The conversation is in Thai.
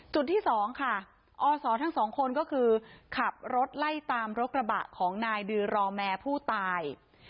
ที่สองค่ะอศทั้งสองคนก็คือขับรถไล่ตามรถกระบะของนายดือรอแมร์ผู้ตาย